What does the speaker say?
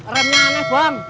remnya aneh bang